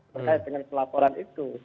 berkait dengan pelaporan itu